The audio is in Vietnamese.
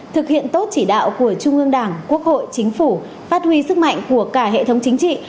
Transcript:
thực hiện tốt chỉ đạo của trung ương đảng quốc hội chính phủ phát huy sức mạnh của cả hệ thống chính trị